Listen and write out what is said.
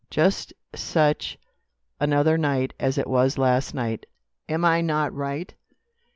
Just such another night as it was last night. Am I not right?"